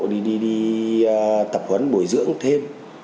đi tập huấn bồi dưỡng thêm